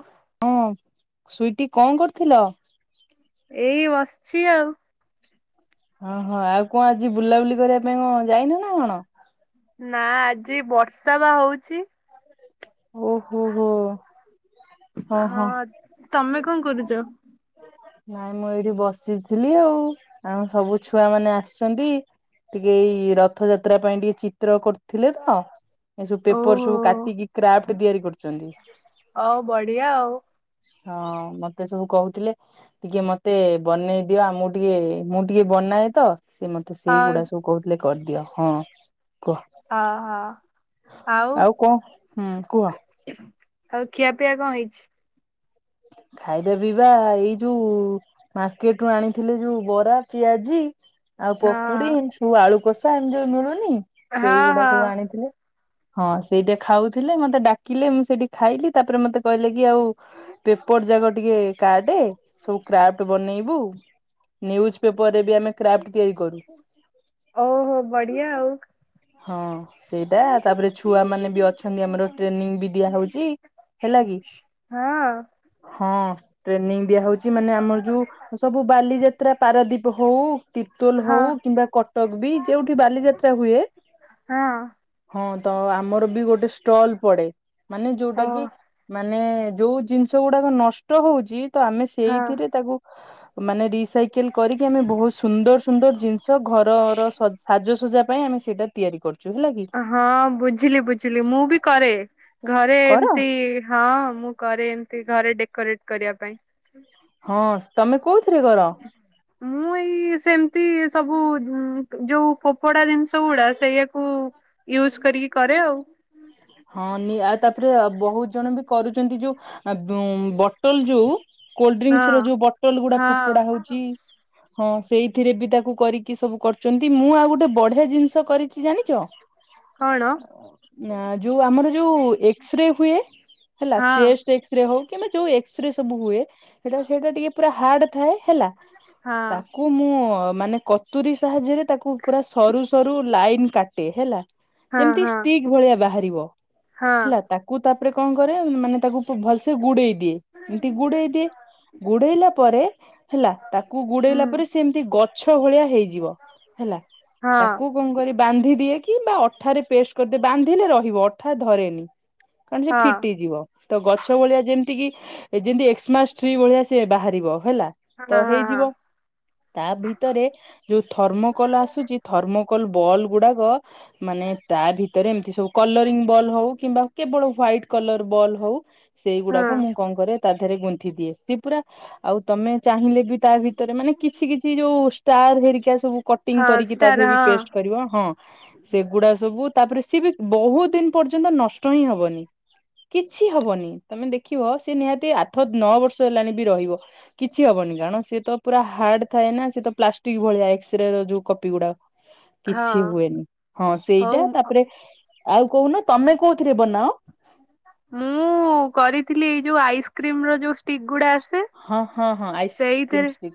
ଓଃ। ହଁ ସୁଇଟି କଣ କରୁଥିଲ? ଏଇ ବସିଚି ଆଉ। ଓହୋ, ଆଉ କଣ ଆଜି ବୁଲାବୁଲି କରିଆ ପାଇଁ କଣ ଯାଇନ ନା କଣ? ନା ଆଜି ବର୍ଷା ବା ହଉଚି। ଓହୋ ହୋ। ହଁ ତମେ କଣ କରୁଚ? ନାଇଁ ମୁଁ ଏଇଠି ବସିଥିଲି ଆଉ, ଆମ ସବୁ ଛୁଆ ମାନେ ଆସିଚନ୍ତି। ଟିକେ ଏଇ ରଥଯାତ୍ରା ପାଇଁ ଟିକେ ଚିତ୍ର କରୁଥିଲେ ତ ଏ ସବୁ ପେପର୍ ଓହୋ ସବୁ କାଟିକି କ୍ରାଫ୍ଟ ତିଆରି କରୁଚନ୍ତି। ହଉ ବଢିଆ ଆଉ। ହଁ ମତେ ସବୁ କହୁଥିଲେ ଟିକେ ମତେ ବନେଇ ଦିଅ ଆମୁକୁ ଟିକେ ମୁଁ ଟିକେ ବନାଏ ତ ସେ ମତେ ସେଇଗୁଡା ସବୁ କହୁଥିଲେ କରିଦିଅ। ହଁ କୁହ? ହଁ ହଁ ହଁ ଆଉ କଣ ହୁଁ କୁହ? ଆଉ ଖିଆପିଆ କଣ ହେଇଚି? ଖାଇବା ପିଇବା ଏଇ ଯୋଉ ମାର୍କେଟ ରୁ ଆଣିଥିଲି ଯୋଉ ବରା, ପିଆଜି ଆଉ ହଁ ପକୁଡି, ଏମିତି ସବୁ ଆଳୁ କଷା ଏମିତି ଯୋଉ ମିଳୁନି ହଁ ସେଇଗୁଡା ହଁ ସବୁ ଆଣିଥିଲେ। ହଁ ସେଇଟା ଖାଉଥିଲେ ମତେ ଡାକିଲେ ମୁଁ ସେଇଠି ଖାଇଲି ତାପରେ ମତେ କହିଲେ କି ଆଉ ପେପର୍ ଯାକ ଟିକେ କାଟେ ସବୁ କ୍ରାଫ୍ଟ ବନେଇବୁ। ନ୍ୟୁଜ୍ ପେପର୍ ରେ ବି ଆମେ କ୍ରାଫ୍ଟ ତିଆରି କରୁ। ଓହୋ ବଢିଆ ଆଉ। ହଁ ସେଇଟା, ତାପରେ ଛୁଆ ମାନେ ବି ଅଛନ୍ତି ଆମର ଟ୍ରେନିଂ ବି ଦିଆ ହଉଚି। ହେଲା କି? ହଁ। ହଁ। ଟ୍ରେନିଂ ଦିଆ ହଉଚି ମାନେ ଆମର ଯୋଉ ସବୁ ବାଲିଯାତ୍ରା ପାରାଦିପ୍ ହଉ ତିର୍ତ୍ତୋଲ ହଁ ହଁ ହଉ କିମ୍ବା କଟକ ବି ଯେଉଠି ବାଲିଯାତ୍ରା ହୁଏ ହଁ ହଁ ତ ଆମର ବି ଗୋଟେ ଷ୍ଟଲ୍ ପଡେ ମାନେ ଓ ଯୋଉଟା କି ମାନେ ଯୋଉ ଜିନିଷ ଗୁଡ଼ାକ ନଷ୍ଟ ହଉଛି ତ ଆମେ ହଁ ସେଇଥିରେ ତାକୁ ମାନେ ରିସାଇ କିଲ୍ କରିକି ଆମେ ବହୁତ ସୁନ୍ଦର ସୁନ୍ଦର ଜିନିଷ ଘରର ସଜ୍ ସାଜସଜା ପାଇଁ ଆମେ ସେଇଟା ତିଆରି କରୁଛୁ ହେଲା କି? ହଁ ବୁଝିଲି ବୁଝିଲି, ମୁଁ ବି କରେ ଘରେ କର ଏମତି ହଁ ମୁଁ କରେ ଏମିତି ଘରେ ଡେକୋରେଟ୍ କରିବା ପାଇଁ। ହଁ ତମେ କୋଉଥିରେ କର? ହେଇ ସେମିତି ସବୁ ଯୋଉ ଫୋପଡ଼ା ଜିନିଷ ଗୁଡ଼ା ସେଇଆକୁ ୟୁଜ୍ କରିକି କରେ ଆଉ। ହଁଉନି ଆଉ ତାପରେ ବହୁତ ଜଣ ବି କରୁଛନ୍ତି ଯୋଉ [unintelligible] ବଟଲ୍ ଯୋଉ ହଁ କୋଲ୍ଡଡ୍ରିଙ୍କ୍ସର ଯୋଉ ବଟଲ୍ ଗୁଡ଼ା ଫୋପଡା ହଁ ହଉଛି। ହଁ ସେଇଥିରେ ବି ତାକୁ କରିକି ସବୁ କରୁଛନ୍ତି, ମୁଁ ଆଉ ଗୋଟେ ବଢିଆ ଜିନିଷ କରି ଚି ଜାଣିଛ, କଣ ନାଁ ଯୋଉ ଆମର ଯୋଉ ଏକ୍ସ୍ରେ ହୁଏ ହେଲା ହଁ ଚେଷ୍ଟ ଚେ ଏକ୍ସ୍ରେ ହଉ କିମ୍ବା ଯୋଉ ଏକ୍ସ୍ରେ ସବୁ ହୁଏ ହେଟା ସେଇଟା ଟିକେ ପୁରା ହାର୍ଡ ଥାଏ ହେଲା, ତା ହଁ କୁ ମୁଁ ମାନେ କତୁରୀ ସାହାଯ୍ୟରେ ତାକୁ ପୁରା ସରୁ ସରୁ ଲାଇନ୍ କାଟେ ହେଲା। ହଁ ଯେମିତି ହଁ ଷ୍ଟିକ୍ ଭଳିଆ ବାହାରିବ, ହଁ ହେଲା ତା କୁ ତାପରେ କଣ କରେ ମାନେ ତାକୁ ଭଲସେ ଗୁଡେଇ ଦିଏ ଏମିତି ଗୁଡେଇ ଦିଏ ଗୁଡେଇଲା ପରେ ହେଲା ତାକୁ ଗୁଡେଇଲା ହୁଁ ପରେ ସେ ଏମିତି ଗଛ ଭଳିଆ ହେଇଯିବ। ହେଲା, ହଁ ତାକୁ କଣ କରି ବାନ୍ଧି ଦିଏ କିମ୍ବା ଅଠାରେ ପେଷ୍ଟ କରିଦେ ବାନ୍ଧିଲେ ରହିବ ଅଠା ଧରେନି। କାରଣ ସେ ହଁ ଫିଟିଯିବ। ତ ଗଛ ଭଳିଆ ଯେମିତି କିି ଯେମିତି ଏକ୍ସମାସ୍ଟ୍ରି ଭଳିଆ ସିଏ ବାହାରିବ ହେଲା। ହଁ ତ ହଁ ହଁ ହେଇଯିବ। ତା ଭିତରେ ଯୋଉ ଥର୍ମୋକୋଲ୍ ଆସୁଛି ଥର୍ମୋକୋଲ୍ ବଲ୍ ଗୁଡାକ ମାନେ ତା ଭିତରେ ଏମିତି ସବୁ କଲରିଙ୍ଗ୍ ବଲ୍ ହଉ କିମ୍ବା କେବଳ ହ୍ୱାଇଟ୍ କଲର ବଲ୍ ହଉ ହଁ ସେଇଗୁଡ଼ାକ ମୁଁ କଣ କରେ ତା ଦେହରେ ଗୁନ୍ଥି ଦିଏ, ସିଏ ପୁରା ଆଉ ତମେ ଚାହିଁଲେ ବି ତା ଭି ତରେ ମାନେ କିଛି କିଛି ଯୋଉ ଷ୍ଟାର ହେରିକା ସବୁ କଟିଂ ହଁ କରିକି ତା ଦେହରେ ଷ୍ଟାର ବି ହଁ ପେଷ୍ଟ କରିବ ହଁ। ସେଗୁଡ଼ା ସବୁ, ତାପରେ ସିଏ ବି ବହୁତ ଦିନ୍ ପର୍ଯ୍ୟନ୍ତ ନଷ୍ଟ ହିଁ ହବନି। କିଛି ହବନି ତମେ ଦେଖିବ ସେ ନିହାତି ଆଠ ନଅ ବର୍ଷ ହେଲାଣି ବି ରହିବ। କିଛି ହବନି କାରଣ ସିଏ ତ ପୁରା ହାର୍ଡ ଥାଏ ନା ସେତ ପ୍ଲାଷ୍ଟିକ ଭଳିଆ ଏକ୍ସ୍ରେର ଯୋଉ କପି ଗୁଡ଼ାକ। [inaudible] କିଛି ହଁ ହୁଏନି, ହଁ ସେଇଟା ହଉ ତାପରେ ଆଉ କହୁନ ତମେ କୋଉଥିରେ ବନାଅ? ମୁଁ କରିଥିଲି ଏଇ ଯୋଉ ଆଇସ୍କ୍ରିମର ଯୋଉ ଷ୍ଟିକ୍ ଗୁଡା ଆସେ ହଁ ହଁ ହଁ ସେଇଥିରେ ଆଇସ୍କ୍ରିମ୍ [unintelligible]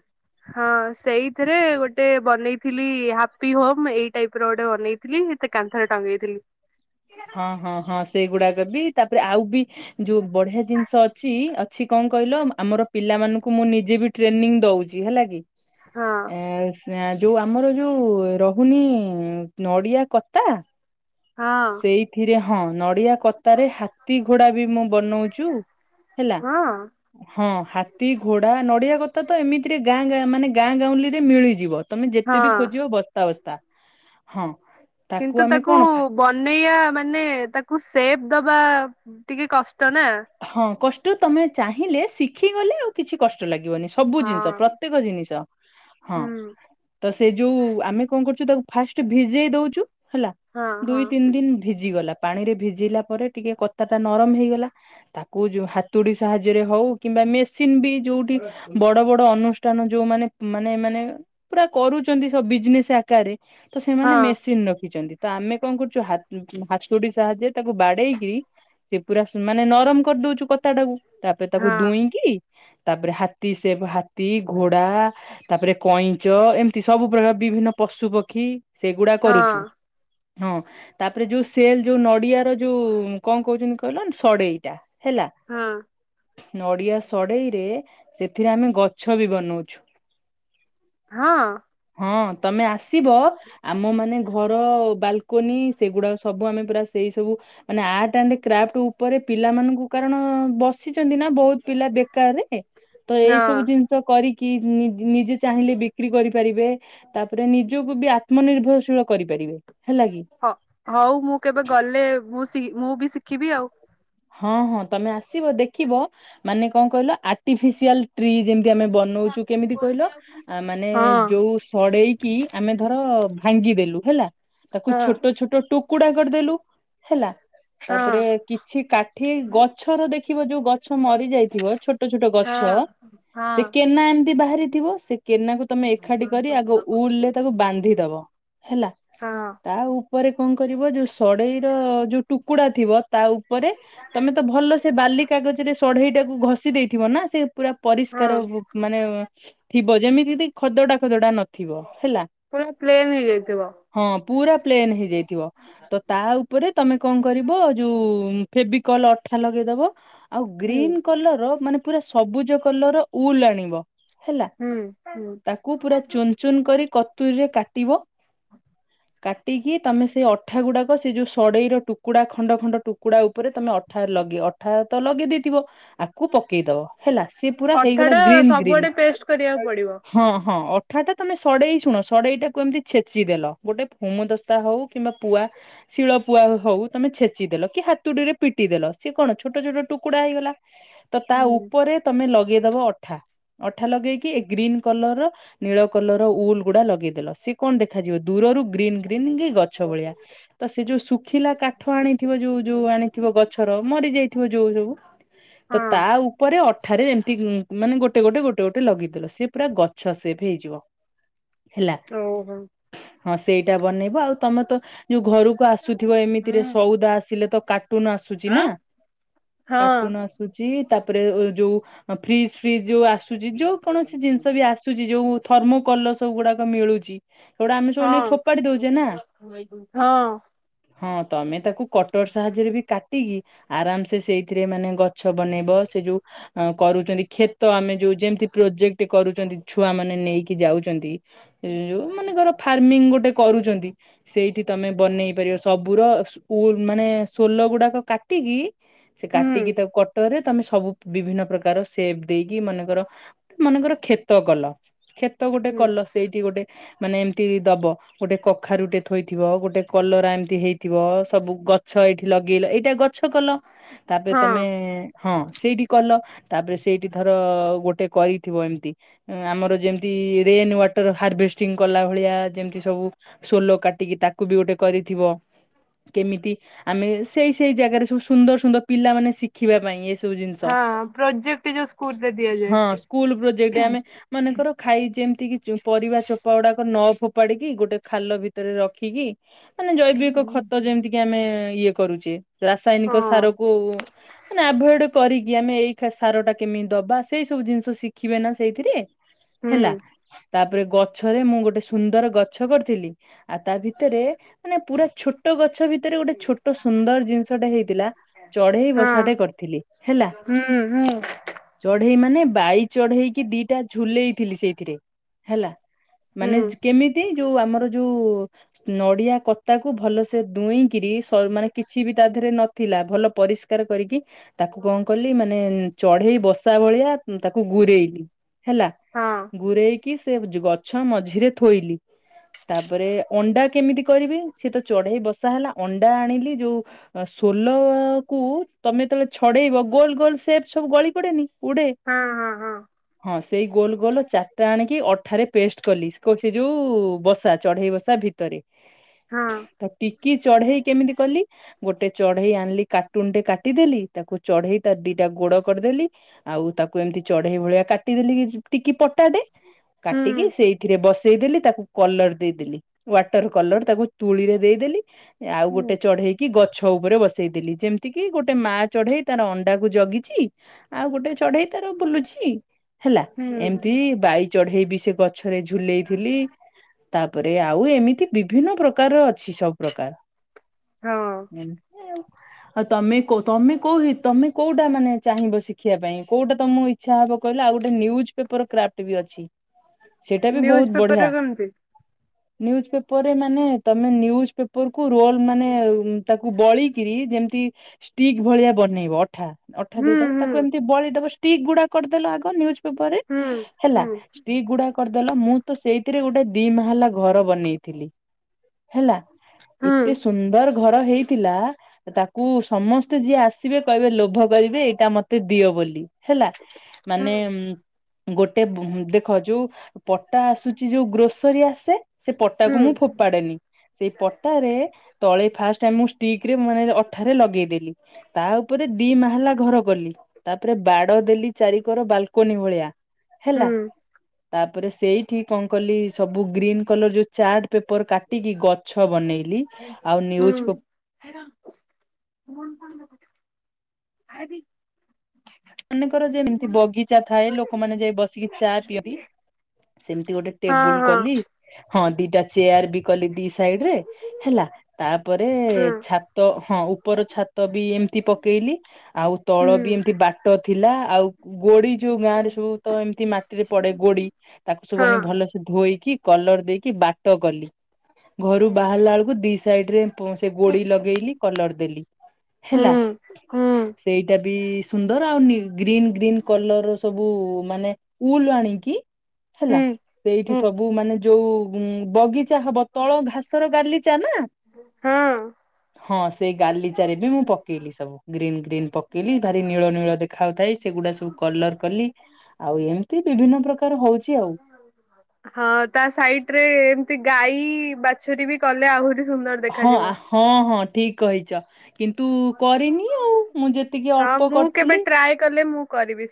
ହଁ ସେଇଥିରେ ଗୋଟେ ବନେଇଥିଲି ହାପି ହୋମ୍ ଏଇ ଟାଇପର ଗୋଟେ ବନେଇ ଥିଲି ଏତେ କାନ୍ଥରେ ଟଙ୍ଗେଇଥିଲି। ହଁ ହଁ ହଁ ସେଇଗୁଡ଼ାକ ବି ତାପରେ ଆଉ ବି ଯୋଉ ବଢିଆ ଜିନିଷ ଅ ଛି, ଅଛି କଣ କହିଲ ଆମର ପିଲାମାନଙ୍କୁ ମୁଁ ନିଜେ ବି ଟ୍ରେନିଂ ଦଉଛି ହେଲା କି। ହଁ [unintelligible] ଯୋଉ ଆମର ଯୋଉ ରହୁନି ନଡ଼ିଆ କତା? ହଁ ସେଇଥିରେ ହଁ ନଡିଆ କତାରେ ହାତୀ ଘୋଡା ବି ମୁଁ ବନଉଚୁ। ହେଲା ହଁ ହଁ ହାତୀ ଘୋଡା ନଡିଆ କତା ତ ଏମିତିରେ ଗାଁ ଗାଁ ମାନେ ଗାଁ ଗାଉଁଲି ରେ ମିଳିଯିବ ତମେ ହଁ ଯେତେ ବି ଖୋଜିବ ବସ୍ତା ବସ୍ତା ହଁ। କିନ୍ତୁ ଆମେ ତାକୁ କଣ ଫା ବନେଇବା ମାନେ ତାକୁ ସେପ ଦବା ଟିକେ କଷ୍ଟ ନା। ହଁ କଷ୍ଟ ତମେ ଚାହିଁଲେ ଶିଖିଗଲେ ଆଉ କିଛି କଷ୍ଟ ଲାଗିବନି। ସବୁ ଜିନିଷ ହଁ ପ୍ରତ୍ୟେକ ଜିନିଷ ହଁ। ହୁଁ ତ ସେ ଯୋଉ ଆମେ କଣ କରୁଛୁ ତାକୁ ଫାଷ୍ଟ ଭିଜେଇ ଦଉଛୁ ହେଲା। ହଁ ହଁ ଦୁଇ ତିନି ଦିନ ଭିଜି ଗଲା ପାଣି ରେ ଭିଜିଲା ପରେ ଟିକେ କତା ଟା ନରମ ହେଇଗଲା। ତାକୁ ଯୋଉ ହାତୁଡି ସାହାଯ୍ୟରେ ହଉ କିମ୍ବା ମେସିନ ବି ଯୋଉଠି ବଡ ବଡ ଅନୁଷ୍ଠାନ ଯୋଉମାନେ ମାନେମାନେ ପୁରା କରୁଛନ୍ତି ସ ବିଜନେସ ଆକାରେ। ତ ସେମାନେ ହଁ ମେସିନ ରଖିଛନ୍ତି। ତ ଆମେ କଣ କରୁଛୁ ହାତ ହାତୁଡି ସାହାଯ୍ୟରେ ତାକୁ ବାଡେଇକି ସେ ପୁରା ମାନେ ନରମ କରିଦଉଛୁ କତାଟାକୁ ତାପରେ ହଁ ତାକୁ ଦୁଇଁକି। ତାପରେ ହାତୀ ସେପ ହାତୀ ଘୋଡା ତାପରେ କଇଁଚ ଏମ ସବୁ ପ୍ରକାର ବିଭିନ୍ନ ପଶୁ ପକ୍ଷୀ ସେଗୁଡା ହଁ କରୁଛୁ। ହଁ ତାପରେ ଯୋଉ ସେଲ ଯୋଉ ନଡିଆ ର ଯୋଉ କଣ କହୁଛନ୍ତି କହିଲ। ସଡେଇଟା ହେଲା। ହଁ। ନଡିଆ ସଡେଇରେ ସେଥିରେ ଆମେ ଗଛ ବି ବନଉଛୁ। ଫାଙ୍କା ଅଡ଼ିଓ। ହଁ। ହଁ ତମେ ଆସିବ ଆମ ମାନେ। ଘର ବାଲକୋନି ସେଗୁଡାକ ସବୁ ଆମେ ପୁରା ସେଇ ସବୁ ମାନେ ଆର୍ଟ ଆଣ୍ଡ କ୍ରାଫ୍ଟ ଉ ପରେ ପିଲାମାନଙ୍କୁ କାରଣ ବସିଛନ୍ତି ନା ବହୁତ ପିଲା ବେକାରରେ ତ ଏଇ ହଁ ସବୁ ଜିନି କରିକି ନି ନିଜେ ଚାହିଁଲେ ବିକ୍ରି କରିପାରିବେ। ତାପରେ ନିଜକୁ ବି ଆତ୍ମ ନିିର୍ଭରଶୀଳ କରିପାରିବେ ହେଲା କି। ହ ହଉ ମୁଁ କେବେ ଗଲେ ମୁଁ ଶି ମୁଁ ବି ଶିଖିବି ଆଉ। ହଁ ହଁ ତମେ ଆସିବ ଦେଖିବ ମାନେ କଣ କହିଲ ଆର୍ଟିଫିସିଆଲ ଟ୍ରି ଯେମିତି ଆମେ ବ ନଉଛୁ କେମିତି କହିଲ ମାନେ ଯୋଉ ହଁ ସଡେଇ। କି ଆମେ ଧର ଭାଙ୍ଗିଦେଲୁ ହେଲା। ତାକୁ ଛୋଟ ଛୋଟ ଟୁକୁଡା କରିଦେଲୁ ହେଲା ହଁ ତାପରେ କି କିଛି କାଠି ଗଛର ଦେଖିବ ଯୋଉ ଗଛ ମରି ଯାଇଥିବ ଛୋଟ ଛୋଟ ହଁ ଗଛ। ହଁ ସେ ହଁ କେନା ଏମିତି ବାହାରିଥିବ। ସେ କେନାକୁ ତମେ ଏକାଠି କରି ଆଗ ଉଲରେ ତାକୁ ବାନ୍ଧିଦବ ହେଲା ହଁ ତାଉ ପରେ କଣ କରିବ ଯୋଉ ସଡେଇ ର ଯୋଉ ଟୁକୁଡା ଥିବ ତା ଉପ ପରେ ତମେ ତ ଭଲ ସେ ବାଲି କାଗଜରେ ସଢେଇ ଟାକୁ ଘଷି ଦେଇଥିବ ନା ସେ ପୁରା ହଁ ପରିଷ୍କାର ମାନେ ଥିବ ଯେମିତି ଖଦଡା ଖଦଡା ନଥିବ ହେଲା। ପୁରା ପ୍ଲେନ୍ ହେଇଯାଇଥିବ। ହଁ ପୁରା ପ୍ଲେନ୍ ହେଇଯାଇଥିବ ତ ତା ଉପରେ ତମେ କଣ କରିବ ଯୋଉ। ଫେବିକଲ ଅଠା ଲଗେଇ ଦବ ଆଉ ହୁଁ ଗ୍ରୀନ୍ କଲର ମାନେ। ପୁରା ସବୁଜ କଲର ଉଲ ଆଣିବ ହେଲା ହୁଁ ହୁଁ ତାକୁ ପୁରା ଚୁନ୍ ଚୁ ଚୁନ୍ କରି କତୁରୀରେ କାଟିବ। ଫାଙ୍କା ଅଡ଼ିଓ। କାଟିକି ତମେ ସେଇ ଅଠା ଗୁଡାକ ସେ ଯୋଉ ସଡେଇର ଟୁକୁଡା ଖଣ୍ଡ ଖଣ୍ଡ ଟୁ କୁକୁଡ଼ା ଉପରେ ତମେ ଅଠା ଲଗେଇ ଅଠାର ତ ଲଗେଇ ଦେଇେଇଥିବ ଆକୁ ପକେଇଦବ ହେଲା ସିଏ ପୁରା ଅଟା ହେଇଗଲା ଟା ଗ୍ରୀନ୍ ଗ୍ରୀନ୍ ସବୁଆଡେ ପେଷ୍ଟ କରିବାକୁ ପଡିବ ହଁ ହଁ ଅଠା ଟା ତମେ ସଡେଇ ଶୁଣ ସଡେଇ ଟାକୁ ଏମିତି ଛେଚିଦେଲ ଗୋଟେ ହୋମ ଦ ଧସ୍ତା ହଉ କିମ୍ବା ପୁଆ ଶିଳ ପୁଆ ହଉ ତମେ ଛେଚିଦେଲ କି ହାତ ହାତୁଡି ରେ ପିଟି ଦେଲ ସି କଣ ଛୋଟ ଛୋଟ ଟୁକୁଡା ହେଇଗଲା ତ ତା ହୁଁ ଉପରେ ତମେ ଲଗେଇଦବ ଅଠା ଅଠା ଲଗେଇକି ଏ ଗ୍ରୀନ୍ କଲର ର ନୀଳ କଲର ଉଲ ଗୁଡା ଲଗେଇଦେଲ ସି କଣ ଦେଖାଯିବ ଦୂରରୁ ଗ୍ରୀନ୍ ଗ୍ରୀନ୍ ଗଛ ଭଲିଆ ତ ଯୋଉ ଶୁଖିଲା କାଠ ଆଣିଥିବ ଯୋଉ ଯୋଉ ଆଣିଥିବ ଗଛର ମରି ଯାଇଥିବ ଯୋଉ ଯୋଉ ସବୁ ତ ହଁ ତା ଉପରେ ଅଠାରେ ଏମିତି ମାନେ ଗୋଟେ ଗୋଟେ ଗୋଟେ ଗୋଟେ ଲଗେଇଦେଲ ସିଏ ପୁରା ଗଛ ସେପ ହେଇଯିବ ହେଲା ଓହୋ ହଁ ସେଇଟା ବନେଇବ ଆଉ ତମେ ତ ଯୋଉ ଘରକୁ ଆସୁଥିବ ଏମିତିରେ ସଉଦା ଆସିଲେ ତ ତ କାଟୁନ ଆସୁଛି ନା ହଁ କାଟୁନ ଆସୁଛି ତାପରେ ଯୋଉ ଫ୍ରିଜ ଫ୍ରିଜ ଯୋଉ ଆସୁଛି ଯୋଉ କୌଣସି ଜିନିଷ ବି ଆସୁ ଆସୁଛି ଯୋଉ ଥର୍ମ କଲର ସବୁ ଗୁଡାକ ମିଳୁଛି ସେଗୁଡା ଆମେ ସବୁ ନେଇ ହଁ ଫୋପାଡି ଦଉଛେ ନା ହଁ ହଁ ତମେ ତାକୁ କଟର ସାହାଯ୍ୟରେ ବି କାଟି କି ଆରାମ ସେେ ସେଇଥିରେ ମାନେ ଗଛ ବନେଇବ ସେ ଯୋଉ ଅ କରୁଛନ୍ତି କ୍ଷେତ ଆମେ ଯୋଉ ଯେମିତି ପ୍ରୋଜେକ୍ଟ କରୁଛନ୍ତି ଛୁଆ ମାନେ ନେଇକି ଯାଉଛନ୍ତି ଯୋଉ ମନେକର ଫାର୍ମିଂ ଗୋଟେ କରୁଛନ୍ତି ସେଇଠି ତମେ ବନେଇ ପାରିବ ସବୁର ଶୋ ମାନେ ସୋଲ ଗୁଡାକ କା କାଟିକି ସେ ହୁଁ କାଟିକି ତାକୁ କଟରେ ତମେ ସବୁ ବିଭିନ୍ନ ପ୍ରକାର ସେପ ଦେଇକି ମନେକର ମନେକର କ୍ଷେତ କଲ କ୍ଷେତ ଗୋଟେ ହୁଁ କଲ ସେଇଠି ଗୋଟେ ମାନେ ଏମିତି ଦବ ଗୋଟେ କଖାରୁ ଗୋଟେ ଥୋଇଥିବ ଗୋଟେ କଲରା ଏମିତି ହେଇଥିବ ସବୁ ଗଛ ଏଇଠି ଲଗେଇଲ ଏଇଟା ଗଛ କଲ ତାପରେ ହଁ। ତମେ ହଁ ସେଇଠି କଲ ତାପରେ ସେଇଠି ଥର ଗୋଟେ କରିଥିବ ଏମିତି ଆମର ଯେମିତି ରେନ ୱାଟର ହାରଭେଷ୍ଟିଂ କଲା ଭଳିଆ ଯେମିତି ସବୁ ସୋଲୋ କାଟିକି ତାକୁ ବି ଗୋଟେ କରିଥିବ କେମିତି ଆମେ ସେଇ ସେଇ ଜାଗାରେ ସବୁ ସୁନ୍ଦର ସୁନ୍ଦର ପିଲା ମାନେ ଶିଖିବା ପାଇଁ ଜିନ ହଁ ପ୍ରୋଜେକ୍ଟ ଯୋଉ ସ୍କୁଲରେ ହଁ ଦିଆଯାଏ। ସ୍ଲ ପ୍ରଜେକ୍ଟ ଆମେ [inaudible] ମନେକର ଖାଇ ଯେମିତି କି ପରିବା ଚୋପା ଗୁଡାକ ନ ଫୋପାଡିକି ଗୋଟେ ଖାଲ ଭିତରେ ରଖିକି ମାନେ ଜୈବିକ ଖତ ଯେମିତି କି ଆମେ ଇଏ କରୁଛେ ହଁ ରାସାୟନିକ ସାର କୁ ମାନେ ଆଭଡ କରିକି ଆମେ ଏଇ ସାର ଟା କେମିତି ଦବା ସେଇ ସବୁ ଜିନିଷ ଶିଖିବେ ନା ସେଇଥିରେ ହୁଁ ହେଲା ତାପରେ ଗଛରେ ମୁଁ ଗୋଟେ ସୁନ୍ଦର ଗଛ କରିଥିଲି ଆଉ ତା ଭିତରେ ମାନେ ପୁରା ଛୋଟ ଗଛ ଭିତରେ ଗୋଟେ ଛୋଟ ସୁନ୍ଦର ଜିନିଷଟା ହେଇଥିଲା ଚଢେଇ ହଁ ବସାଟେ କରିଥିଲି ହେଲା ହୁଁ ହୁଁ ଚଢେଇ ମାନେ ବାଇ ଚଢେଇକି ଦିଟା ଝୁଲେଇଥିଲି ସେଇଥିରେ ହେଲା ମାନେ କେମିତି ଯୋଉ ଆମର ଯୋଉ ନଡିଆ କତା କୁ ଭଲ ସେ ଦୁଇଁକିରି ମାନେ କିଛି ବି ତା ଦେହରେ ନଥିଲା ଭଲ ପରିଷ୍କାର କରିକି ତାକୁ କଣ କଲି ମାନେ ଚଢେଇ ବସା ଭଳିଆ ତାକୁ ଗୁରେଇଲି ହେଲା ହଁ ଗୁରେଇକି ସେ ଗଛ ମଝିରେ ଥୋଇଲି ତାପରେ ଅଣ୍ଡା କେମିତି କରିବି ସେିଏ ତ ଚଢେଇ ବସା ହେଲା ଅଣ୍ଡା ଆଣିଲି ଯୋଉ ସୋଲ କୁ ତମେ ଯେତେବେଳେ ଛଡେଇବ ଗୋଲ ଗୋଲ ସେପ ସବୁ ଗଳି ପଡେନି ଉଡେ ହଁ ହଁ ହଁ। ସେଇ ଗୋଲ ଗୋଲ ଚାରିଟା ଆଣିକି ଅଠାରେ ପେଷ୍ଟ କଲି ସେ ଯୋଉ ବସା ଚଢ଼େଇ ବସା ଭିତରେ। ହଁ ହଁ ତ ଟିକି ଚଢେଇ କେମିତି କଲି? ଗୋଟେ ଚଢେଇ ଆଣିଲି କାର୍ଟୁନ ଟେ କାଟିଦେଲି ତାକୁ ଚଢେଇ ତାର ଦିଟା ଗୋଡ କରିଦେଲି। ଆଉ ତାକୁ ଏମିତି ଚଢେଇ ଭଳିଆ କାଟିଦେଲି କି ଟିକି ପଟା ଟେ କାଟିକି ସେଇଥିରେ ବସେଇଦେଲି ତାକୁ କଲର ଦେଇଦେଲି ୱାଟର କଲର ତାକୁ ତୁଳିରେ ଦେଇଦେଲି ଆଉ ଗୋଟେ ଚଢେଇ କି ଗଛ ଉପରେ ବସେଇଦେଲି ଯେମିତି କିି ଗୋଟେ ମା ଚଢେଇ ତାର ଅଣ୍ଡା କୁ ଜଗିଚି ଆଉ ଗୋଟେ ଚଢେଇ ତାର ବୁଲୁଚି। ହେଲା ଏମିତି ବାଇ ଚଢେଇ ବି ସେ ଗଛରେ ଝୁଲେଇଥିଲି। ତାପରେ ଆଉ ଏମିତି ବିଭିନ୍ନ ପ୍ରକାରର ଅଛି ସବୁ ପ୍ରକାର। ହୁଁ। ଆଉ ତମେ କ ତମେ କୋଉ ତମେ କୋଉଟା ମାନେ ଚାହିଁବ ଶିଖିବା ପାଇଁ କୋଉଟା ତମ ଇଛା। ଇଛା ହବ କହିଲେ ଆଉ ଗୋଟେ ନ୍ୟୁଜ ପେପର କ୍ରାଫ୍ ଟେ ବି ଅଛି। ସେଟା ବି ନ୍ୟୁଜ ବହୁତ ବଢିଆ। ପେପରରେ କେମିତି? ନ୍ୟୁଜ୍ ପେପର ରେ ମାନେ ତମେ ନ୍ୟୁଜ ପେପର କୁ ରୋଲ ମାନେ ତାକୁ ବଳିକିରି ଯେମିତି ଷ୍ଟିକ ଭଳିଆ ବନେଇବ ଅଠା। ଅଠା ହୁଁ ଦେଇଦବ ହୁଁ ତାକୁ ଏମିତି ବଳେଇଦବ ଷ୍ଟିକ ଗୁଡା କରିଦେଲ ଆଗ ନ୍ୟୁଜ ପେପର ରେ ହେଲା ହୁଁ ସ୍ତ୍ରୀ ଗୁଡାକ କରିଦେଲ ମୁଁ ତ ସେଇଥିରେ ଗୋଟେ ଦି ମା ହେଲା ଘର ବନେଇଥିଲି ହେଲା। ହଁ ଏତେ ସୁନ୍ଦର ଘର ହେଇଥିଲା। ତାକୁ ସମସ୍ତେ ଯିଏ ଆସିବେ କହିବେ ଲୋଭ କରିବେ ଏଇଟା ମତେ ଦିଅ ବୋଲି। ହେଲା ହଁ ମାନେ ଗୋଟେ ଦେଖ ଯୋଉ ପଟା ଆସୁଚି ଯୋଉ ଗ୍ରୋସରୀ ଆସେ ସେ ପଟା ହଁ କ ମୁଁ ଫୋପାଡେନି ସେଇ ପଟାରେ ତଳେ ଫାଷ୍ଟ ମୁ ଷ୍ଟିକରେ ମାନେ ଅଠାରେ ଲଗେଇଦେଲି। ତା ଉପରେ ଦି ମା ହେଲା ଘର କଲି ତାପରେ ବାଡ ଦେଲି ଚାରିିକର ବାଲକନି ଭଳିଆ। ହେଲା। ତାପରେ ସେଇଠି କଣ କଲି ସବୁ ଗ୍ରୀନ୍ କଲର ଯୋଉ ଚାର୍ଟ ପେପର କା ଟିକି ଗଛ ବନେଇଲି। ଆଉ ନ୍ୟୁଜ ପେ ହୁଁ। [unintelligible] ମେକର ଯେମିତି ବଗିଚା ଥାଏ ଲୋକମାନେ ଯାଇ ବସିକି ଚା ପିଅନ୍ତି। ସେମିତି ଗୋଟେ ଟେବୁଲ ହଁ କଲି। ହଁ ଦିଟା ଚେୟାର ବି କଲି ଦି ସାଇଡ ରେ ହେଲା ତାପରେ ଛା ତ ହଁ ଉପର ଛାତ ବି ଏମିତି ପକେଇଲି ଆଉ ତଳ ବି ଏମିତି ବାଟ ପଟ ଥିଲା ଆଉ ଗୋଡି ଯୋଉ ଗାଁ ରେ ସବୁ ତ ଏମିତି ମାଟିରେ ପଡେ ଗୋଡି ତାକୁ ସବୁ ଆଣି ଭଲ ଧୋଇକି କଲର ଦେଇକି ବାଟ କଲି ଘରୁ ବାହାରିଲା ବେଳକୁ ଦି ସାଇଡ ରେ ସେ ଗୋଡି ଲଗେଇଲି କଲର ଦେଲି ହେଲା ହଁ ସେଇଟା ବି ଧର ଆଉ ଗ୍ରୀନ୍ ଗ୍ରୀନ୍ କଲର ସବୁ ମାନେ ଉଲ ଆଣିକି ହେଲା ହଁ ସେ ଏଇଠି ସବୁ ମାନେ ଯୋଉ ଉ ବଗିଚା ହବ ତଳ ଘାସର ଗାଲିଚା ନା। ହଁ ହଁ ସେଇ ଗାଲିଚ ରେ ବି ମୁଁ ପକେଇଲି ସବୁ ଗ୍ରୀଲ୍ ଫ୍ରିଲ୍ ପକେଇଲି ଭାରି ନୀଳ ନୀଳ ଦେଖାଉଥାଏ ସେଗୁଡା ସବୁ କଲର କଲି ଆଉ ଏମିତି ବିଭିନ୍ନ ପ୍ରକାର ହଉଛି ଆଉ। ହୁ ହଁ ତା ସାଇଟ ରେ ଏମିତି ଗାଈ ବାଛୁରୀ ବି କଲେ ଆହୁରି ସୁନ୍ଦର ହଁ ଦେଖାଯିବ। ହଁ ହଁ ଠିକ କହିଛ କିନ୍ତୁ କରିନି ଆଉ ମୁଁ ଯେତିକି ହଁ ଅଳ୍ପ ମୁଁ କେବେ କରିଥିଲି ଟ୍ରାଏ କଲେ ମୁଁ କରିବି।